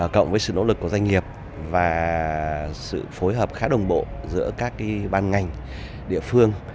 cộng với sự nỗ lực của doanh nghiệp và sự phối hợp khá đồng bộ giữa các ban ngành địa phương